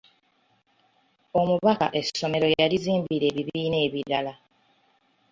Omubaka essomero yalizimbira ebibiina ebiralala.